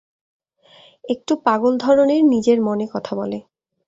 একটু পাগল ধরনের নিজের মনে কথা বলে।